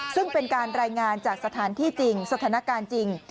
ซึ่งเป็นการรายงานจากสถานที่จริงสถานการณ์จริง